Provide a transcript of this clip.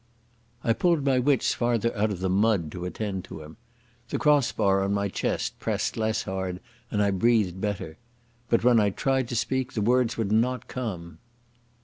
I pulled my wits farther out of the mud to attend to him. The cross bar on my chest pressed less hard and I breathed better. But when I tried to speak, the words would not come.